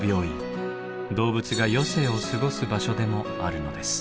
動物が余生を過ごす場所でもあるのです。